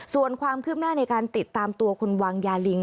ส่วนความคืบหน้าในการติดตามตัวคนวางยาลิง